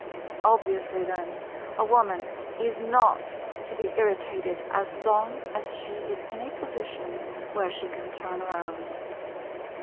Obviously then a Woman is not to be irritated as long as she is in a position where she can turn round.